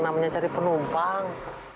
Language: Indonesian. namanya cari penumpang